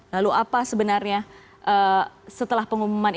lalu apa sebenarnya setelah pengumuman